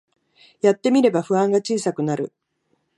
やってみれば不安が小さくなる